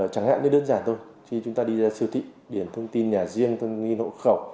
chẳng hạn như đơn giản thôi khi chúng ta đi ra siêu thị điển thông tin nhà riêng thông nghi hộ khẩu